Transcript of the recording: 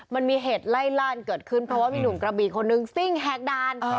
มันมีเหตุไล่ล่านเกิดขึ้นเพราะว่ามีหนุ่มกระบีคนนึงซิ่งแหกด่าน